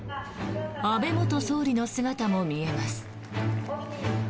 安倍元総理の姿も見えます。